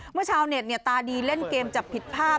เมื่อเช้าเน็ตตาดีเล่นเกมจับผิดภาพ